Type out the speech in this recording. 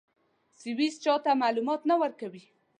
سویس چا ته معلومات نه ورکوي.